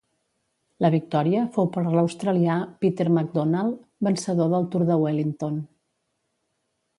La victòria fou per l'australià Peter McDonald, vencedor del Tour de Wellington.